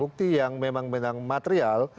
bukti yang memang material